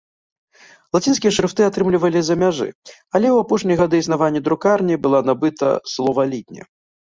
Лацінскія шрыфты атрымлівалі з-за мяжы, але ў апошнія гады існавання друкарні была набыта словалітня.